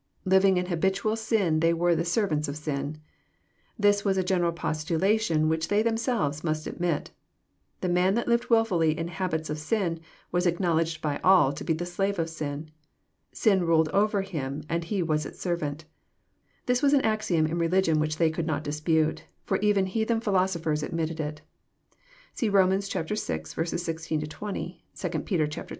Living in habitual sin they were the <' servants of sin." This was a general proposition which they themselves must ad mit. The man that lived wilfully In habits of sin was acknowl edged by all to be the slave of sin. Sin ruled over him, and he was its servant. This was an axiom in religion which they could not dispute, for even heathen philosophers admitted it. (See Rom vi. 16—20; 2 Pet. ii. 19.)